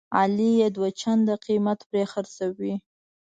علي یې دوه چنده قیمت پرې خرڅوي.